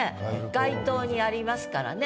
街頭にありますからね。